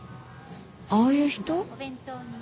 ああいう人？